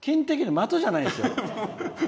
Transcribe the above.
的じゃないですよ。